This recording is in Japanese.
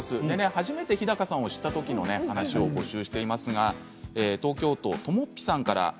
初めて日高さんを知った時の話を募集していますが東京都の方からです。